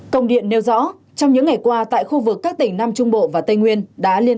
công điện nêu rõ trong những ngày qua tại khu vực các tỉnh nam trung bộ và tây nguyên